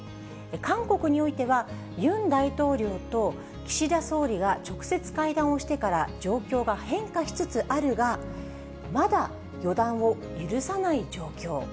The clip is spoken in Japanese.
韓国においては、ユン大統領と岸田総理が直接会談をしてから状況が変化しつつあるが、まだ予断を許さない状況。